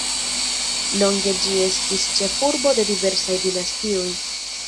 Longe ĝi estis ĉefurbo de diversaj dinastioj.